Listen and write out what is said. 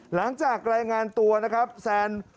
หลังจากรายงานตัวนะครับแซน